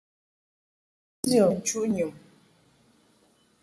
Nchuʼ ndiɔ bə nchuʼ nyum.